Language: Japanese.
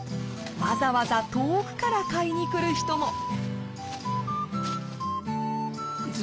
わざわざ遠くから買いに来る人も。